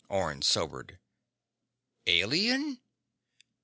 Orne sobered. "Alien?"